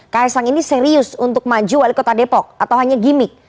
kaisang ini serius untuk maju wali kota depok atau hanya gimmick